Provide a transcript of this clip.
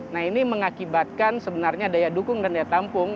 nah ini mengakibatkan sebenarnya daya dukung dan daya tampung